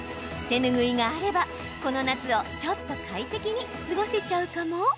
手ぬぐいがあればこの夏をちょっと快適に過ごせちゃうかも？